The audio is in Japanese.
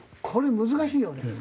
これ難しいよね。